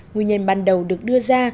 nguyên nhân ban đầu được đưa ra